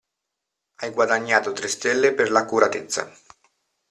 Hai guadagnato tre stelle per l‘accuratezza.